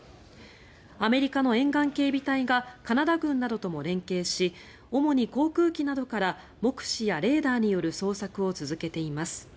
アメリカの沿岸警備隊がカナダ軍などとも連携し主に航空機などから目視やレーダーによる捜索を続けています。